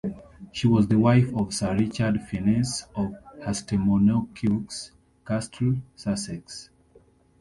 She was the wife of Sir Richard Fiennes of Herstmonceux Castle, Sussex.